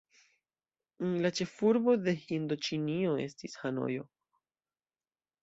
La ĉefurbo de Hindoĉinio estis Hanojo.